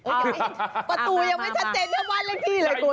เออไม่เห็นประตูยังไม่ชัดเจนนะบ้านเล็กที่หรอคุณ